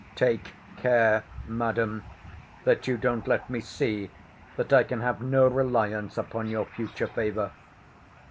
Take care, Madam, that you don't let me see that I can have no reliance upon your future favour.